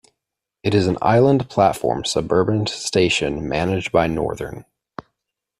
It is an island platformed suburban station managed by Northern.